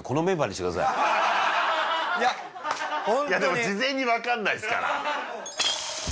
ホントにでも事前に分かんないですからさあ